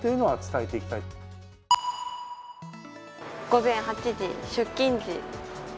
午前８時、出勤時。